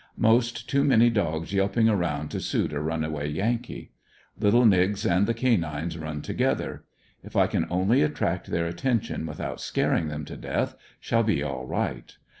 Most too many dogs yelping around to suit a runaway Yankee. Little nigs and the canines run together. If I can only attract their attention with out scaring them to death, shall be all right.